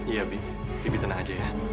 iya bibi tenang aja ya